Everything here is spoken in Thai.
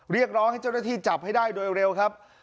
เรียกร้องให้เจ้าหน้าที่จับให้ได้โดยเร็วครับ